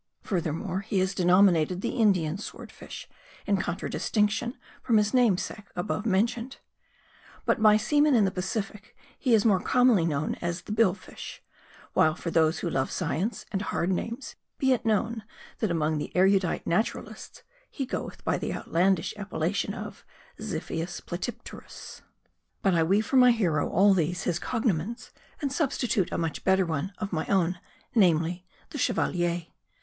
Furthermore, he is denominated the Indian Sword fish, in contradistinction from his namesake above mentioned. But by seamen in the Pacific, he is more commonly known as the Bill fish ; while for those who love science and hard names, be it known, that among the erudite naturalists he goeth by the outlandish appellation of "Xiphius Platy pterus" But I waive for my hero all these his cognomens, and substitute a much better one of my own : namely, the Chev alier.